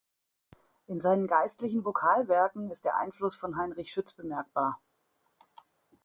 In seinen geistlichen Vokalwerken ist der Einfluss von Heinrich Schütz bemerkbar.